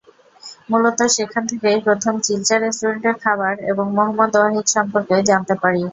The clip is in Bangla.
মূলত সেখান থেকেই প্রথম চিলচা রেস্টুরেন্টের খাবার এবং মোহাম্মদ ওয়াহিদ সম্পর্কে জানতে পারি।